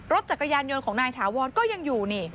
รถจักรยานยนต์ของนายถาวรก็ยังอยู่นี่